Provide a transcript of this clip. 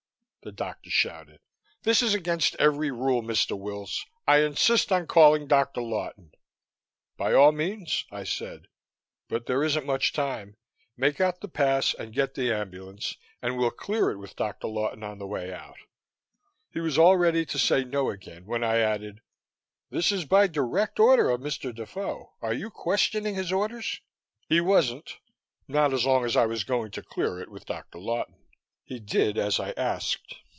the doctor shouted. "This is against every rule, Mr. Wills. I insist on calling Dr. Lawton " "By all means," I said. "But there isn't much time. Make out the pass and get the ambulance, and we'll clear it with Dr. Lawton on the way out." He was all ready to say no again when I added: "This is by direct order of Mr. Defoe. Are you questioning his orders?" He wasn't not as long as I was going to clear it with Dr. Lawton. He did as I asked.